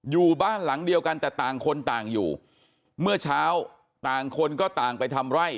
อยู่บ้านหลังเดียวกันแต่ต่างคนต่างอยู่เมื่อเช้าต่างคนก็ต่างไปทำไร่